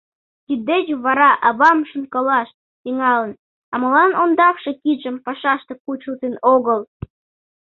Тиддеч вара авам шонкалаш тӱҥалын: а молан ондакше кидшым пашаште кучылтын огыл?!